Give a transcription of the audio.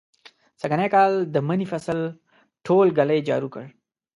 سږنی کال د مني فصل ټول ږلۍ جارو کړ.